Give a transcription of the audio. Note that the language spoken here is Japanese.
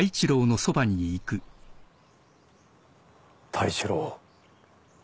太一郎。